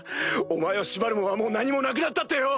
お前を縛るもんはもう何もなくなったってよ！